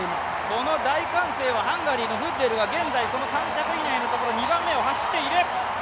この大歓声はハンガリーのフッレルは３着以内のところを走っている。